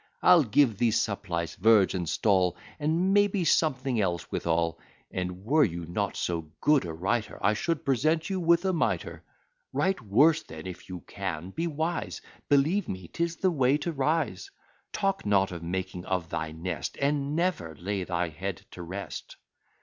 I'll give thee surplice, verge, and stall, And may be something else withal; And, were you not so good a writer, I should present you with a mitre. Write worse, then, if you can be wise Believe me, 'tis the way to rise. Talk not of making of thy nest: Ah! never lay thy head to rest!